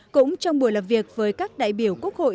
cũng trong buổi làm việc với các đại biểu quốc hội